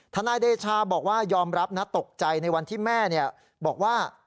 นายเดชาบอกว่ายอมรับนะตกใจในวันที่แม่บอกว่า